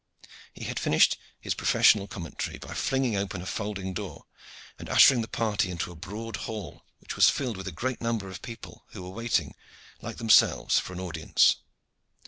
He had finished his professional commentary by flinging open a folding door, and ushering the party into a broad hall, which was filled with a great number of people who were waiting, like themselves, for an audience.